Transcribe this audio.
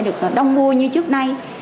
được đông vua như trước nay